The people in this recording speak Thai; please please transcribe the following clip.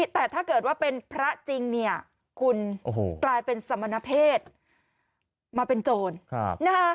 แต่ถ้าเกิดว่าเป็นพระจริงเนี่ยคุณกลายเป็นสมณเพศมาเป็นโจรนะฮะ